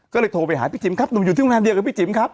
ก็เลยโทรไปหาพี่จิ๋มครับหนุ่มอยู่ที่โรงแรมเดียวกับพี่จิ๋มครับ